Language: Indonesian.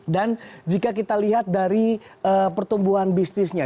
dan jika kita lihat dari pertumbuhan bisnisnya